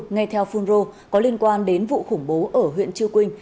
ngay theo phun rô có liên quan đến vụ khủng bố ở huyện chư quynh